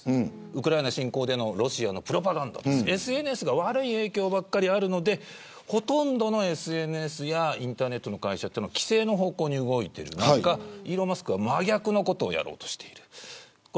ウクライナ侵攻でのロシアのプロパガンダなどＳＮＳが悪い影響ばかりあるのでほとんどのＳＮＳやインターネットの会社は規制の方向に動いている中イーロン・マスクは真逆のことをやろうとしている。